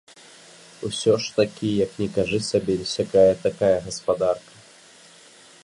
Усё ж такі, як ні кажы сабе, сякая-такая гаспадарка.